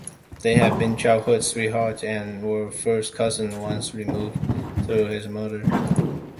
They had been childhood sweethearts and were first cousins once removed through his mother.